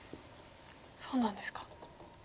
そうなんですか。